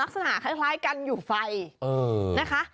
ลักษณะคล้ายกันอยู่ไฟนะคะ